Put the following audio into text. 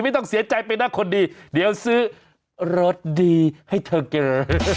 ไม่ต้องเสียใจไปนะคนดีเดี๋ยวซื้อรถดีให้เธอเจอ